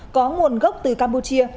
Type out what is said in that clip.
có nguồn gốc từ campuchia